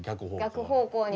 逆方向に。